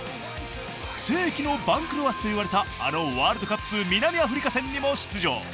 世紀の番狂わせといわれたあのワールドカップ南アフリカ戦にも出場。